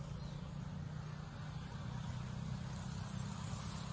ทุกวันใหม่ทุกวันใหม่